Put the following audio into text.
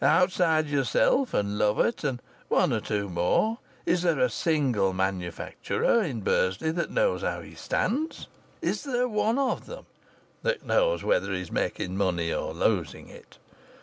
Outside yourself, and Lovatt, and one or two more, is there a single manufacturer in Bursley that knows how he stands? Is there one of them that knows whether he's making money or losing it?